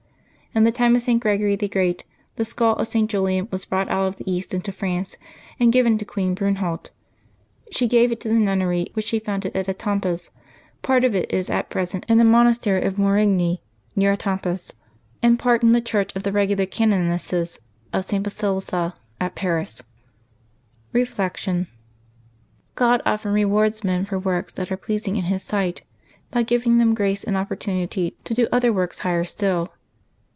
In the time of St. Gregory the Great, the skull of St. Julian was brought out of the East into France, and given to Queen Brunehault; she gave it to the nunnery which she founded at fitampes; part of it is at present in the monastery of Morigny, near jStampes, and part in the church of the reg ular canonesses of St. Basilissa at Paris. Reflection. — God often rewards men for works that are pleasing in His sight by giving them grace and opportunity to do other works higher still.